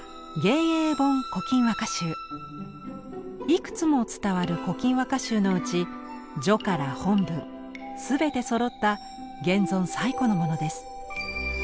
いくつも伝わる「古今和歌集」のうち序から本文すべてそろった現存最古のものです。